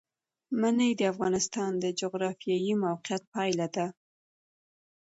منی د افغانستان د جغرافیایي موقیعت پایله ده.